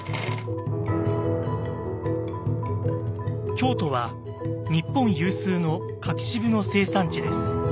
京都は日本有数の柿渋の生産地です。